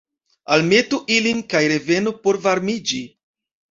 Almetu ilin, kaj revenu por varmiĝi.